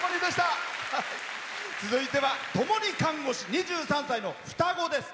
続いては共に看護師、２３歳の双子です。